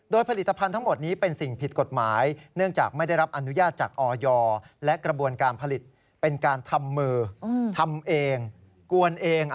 โดยผลิตภัณฑ์ทั้งหมดนี้เป็นสิ่งผิดกฎหมายเนื่องจากไม่ได้รับอนุญาตจากออยและกระบวนการผลิตเป็นการทำมือทำเองกวนเอง